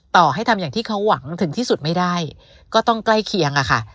ต่อให้ทำอย่างที่เขาหวังถึงที่สุดไม่ได้ก็ต้องใกล้เคียงอะค่ะ